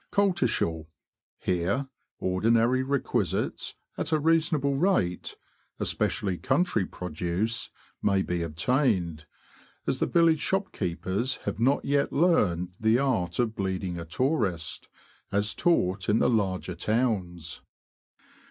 Coltishall. — Here, ordinary requisites, at a reasonable rate (especially country produce), may be obtained, as the village shopkeepers have not yet learned the art of bleeding a tourist, as taught in the larger towns.